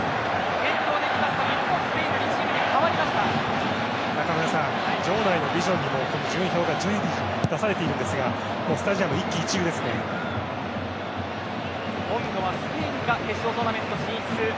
現状でいいますと日本、スペインの２チームに中村さん、場内のビジョンにも順位表が出されているんですが今度はスペインが決勝トーナメント進出